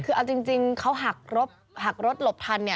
คือเอาจริงเขาหักรถหลบทัน